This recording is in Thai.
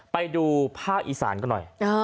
ไปดูภาคอีสานกันหน่อย